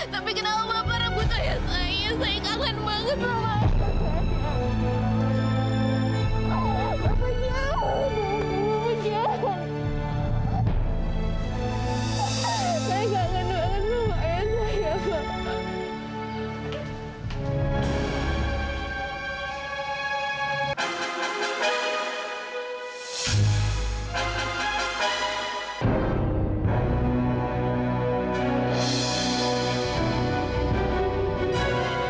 tapi kenapa takut ayah saya saya kangen banget sama ayah saya